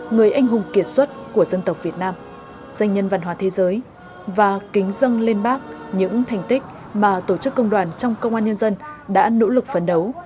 người anh hùng kiệt xuất của dân tộc việt nam danh nhân văn hóa thế giới và kính dâng lên bác những thành tích mà tổ chức công đoàn trong công an nhân dân đã nỗ lực phấn đấu